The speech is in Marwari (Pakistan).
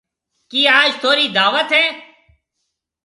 ڪِي آج ٿونرِي دعوت هيَ؟